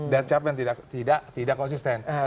dan siapa yang tidak konsisten